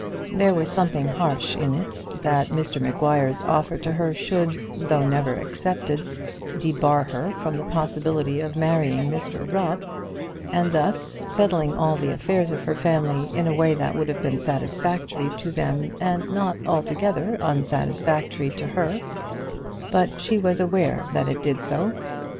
There was something harsh in it, that Mr Maguire's offer to her should, though never accepted, debar her from the possibility of marrying Mr Rubb, and thus settling all the affairs of her family in a way that would have been satisfactory to them and not altogether unsatisfactory to her; but she was aware that it did so.